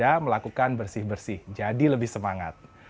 jika anda melakukan bersih bersih jadi lebih semangat